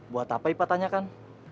buat apa ipah tanyakan